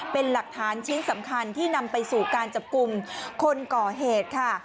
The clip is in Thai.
เป็นหลักฐานชิ้นสำคัญที่นำไปสู่การจับกลุ่มคนก่อเหตุค่ะ